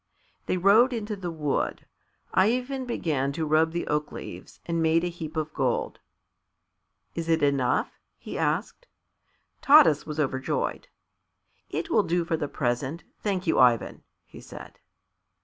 They rode into the wood. Ivan began to rub the oak leaves, and made a heap of gold. "Is it enough?" he asked. Taras was overjoyed. "It will do for the present, thank you, Ivan," he said.